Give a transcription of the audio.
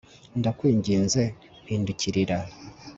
ndakwinginze, mpindukirira